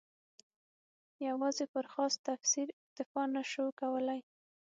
یوازې پر خاص تفسیر اکتفا نه شو کولای.